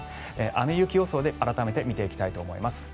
雨・雪予想で改めて見ていきたいと思います。